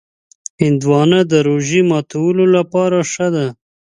هندوانه د روژې ماتولو لپاره ښه ده.